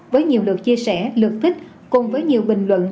với nhiều lượt chia sẻ lược thích cùng với nhiều bình luận